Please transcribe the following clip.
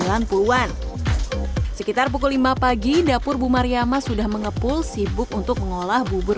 sembilan puluh an sekitar pukul lima pagi dapur bu mariam ah sudah mengepul sibuk untuk mengolah bubur